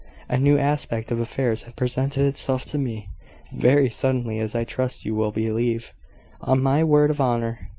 "A new aspect of affairs has presented itself, to me very suddenly, as I trust you will believe, on my word of honour.